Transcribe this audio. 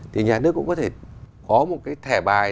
thì nhà nước cũng có thể có một cái thẻ bài